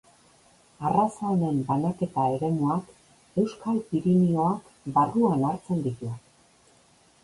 Arraza honen banaketa eremuak Euskal Pirinioak barruan hartzen ditu.